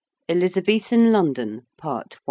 ELIZABETHAN LONDON. PART I.